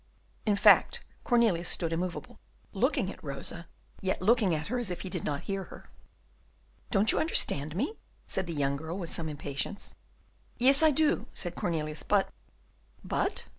In fact, Cornelius stood immovable, looking at Rosa, yet looking at her as if he did not hear her. "Don't you understand me?" said the young girl, with some impatience. "Yes, I do," said Cornelius, "but " "But?"